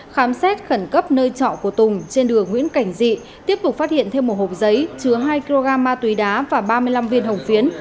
khám xét khẩn cấp nơi trọ của tùng trên đường nguyễn cảnh dị tiếp tục phát hiện thêm một hộp giấy chứa hai kg ma túy đá và ba mươi năm viên hồng phiến